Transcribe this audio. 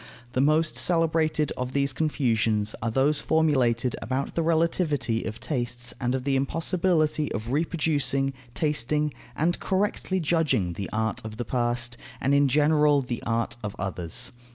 The most celebrated of these confusions are those formulated about the relativity of tastes and of the impossibility of reproducing, tasting, and correctly judging the art of the past, and in general the art of others.